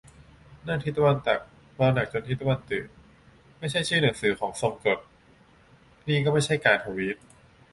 "นั่งทิศตะวันตัก เมาหนักจนตะวันตื่น" ไม่ใช่ชื่อหนังสือของทรงกลด นี่ก็ไม่ใช่การทวีต